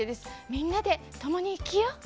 みんなで共に生きよう。